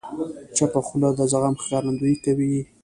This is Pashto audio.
چپه خوله، د زغم ښکارندویي کوي.